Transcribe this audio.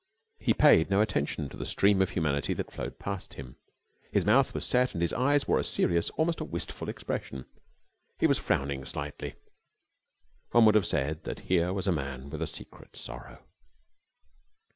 He paid no attention to the stream of humanity that flowed past him. His mouth was set and his eyes wore a serious, almost a wistful expression. He was frowning slightly. One would have said that here was a man with a secret sorrow.